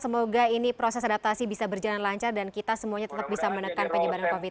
semoga ini proses adaptasi bisa berjalan lancar dan kita semuanya tetap bisa menekan penyebaran covid sembilan belas